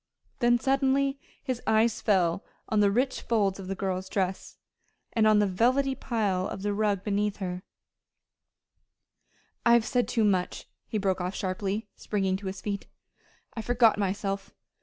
Then suddenly his eyes fell on the rich folds of the girl's dress, and on the velvety pile of the rug beneath her feet. "I have said too much," he broke off sharply, springing to his feet. "I forgot myself."